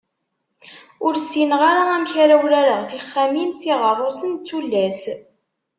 Ur ssineɣ ara amek ara urareɣ tixxamin s yiɣerrusen d tullas